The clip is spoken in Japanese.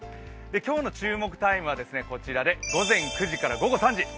今日の注目タイムは午前９時から午後３時。